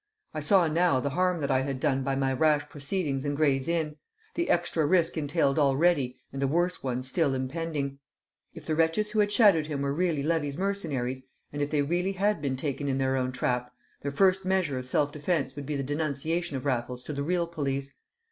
I saw now the harm that I had done by my rash proceedings in Gray's Inn, the extra risk entailed already and a worse one still impending. If the wretches who had shadowed him were really Levy's mercenaries, and if they really had been taken in their own trap, their first measure of self defence would be the denunciation of Raffles to the real police.